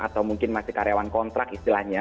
atau mungkin masih karyawan kontrak istilahnya